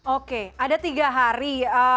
oke ada tiga hari